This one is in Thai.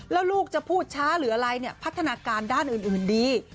แล้วลูกจะพูดช้าหรืออะไรเนี่ยพัฒนาการด้านอื่นดี